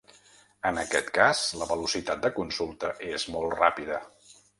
En aquest cas, la velocitat de consulta és molt ràpida.